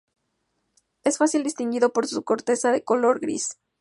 Es fácilmente distinguido por su corteza de color gris.